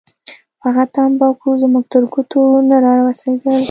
خو هغه تمباکو زموږ تر ګوتو نه راورسېدل.